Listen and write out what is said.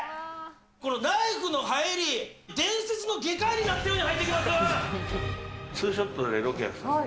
このナイフの入り、伝説の外科医になったように入っていきます。